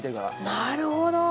なるほど。